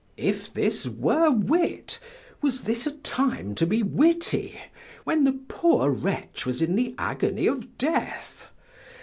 If this were wit, was this a time to be witty, when the poor wretch was in the agony of death?